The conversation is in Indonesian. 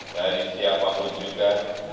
dari siapapun juga